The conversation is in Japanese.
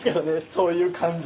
そういう感情。